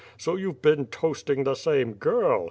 So you've been toasting the same girl!